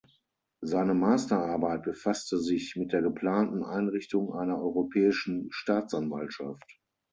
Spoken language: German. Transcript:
Seine Masterarbeit befasste sich mit der geplanten Einrichtung einer Europäischen Staatsanwaltschaft.